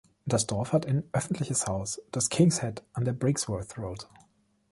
Das Dorf hat ein öffentliches Haus, das „King's Head“ an der Brixworth Road.